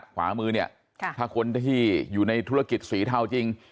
ขวามือเนี่ยถ้าคนที่อยู่ในธุรกิจสีเทาจริง